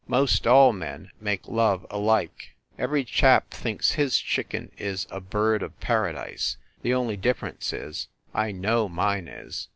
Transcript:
Most all men make love alike. Every chap thinks his chicken is a bird of paradise. The only difference is, I know mine is.